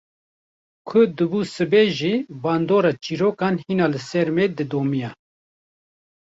Ku dibû sibe jî bandora çîrokan hîna li ser me didomiya.